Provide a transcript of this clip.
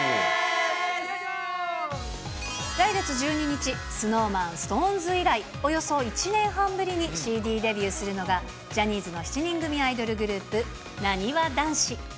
来月１２日、ＳｎｏｗＭａｎ、ＳｉｘＴＯＮＥＳ以来、およそ１年半ぶりにＣＤデビューするのが、ジャニーズの７人組アイドルグループ、なにわ男子。